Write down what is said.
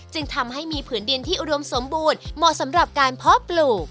จึงทำให้มีผืนดินที่อุดมสมบูรณ์เหมาะสำหรับการเพาะปลูก